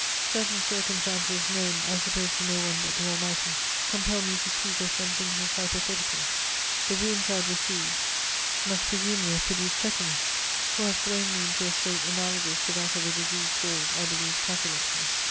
Certain circumstances, known, I suppose to no one but the Almighty, compel me to speak of some things as hypothetical. The wounds I had received must presumably have produced tetanus, or have thrown me into a state analogous to that of a disease called, I believe, catalepsy.